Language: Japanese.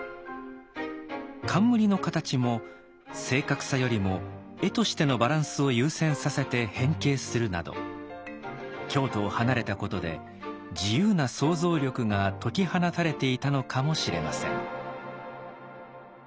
冠の形も正確さよりも絵としてのバランスを優先させて変形するなど京都を離れたことで自由な創造力が解き放たれていたのかもしれません。